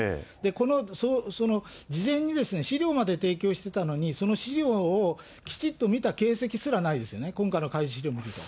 この事前に資料まで提供してたのに、その資料をきちっと見た形跡すらないですよね、今回の開示資料を見ると。